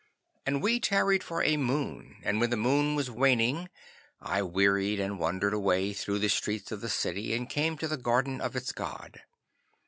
'And we tarried for a moon, and when the moon was waning, I wearied and wandered away through the streets of the city and came to the garden of its god.